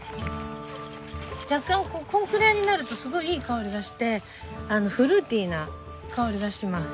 若干これぐらいになるとすごくいい香りがしてフルーティーな香りがします。